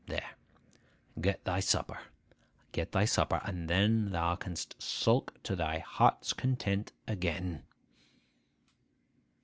There, get thy supper, get thy supper; and then thou canst sulk to thy heart's content again.